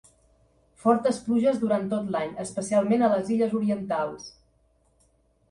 Fortes pluges durant tot l'any, especialment a les illes orientals.